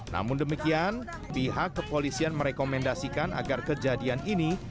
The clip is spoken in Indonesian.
namun demikian pihak kepolisian merekomendasikan agar kejadian ini